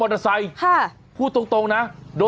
เบิร์ตลมเสียโอ้โห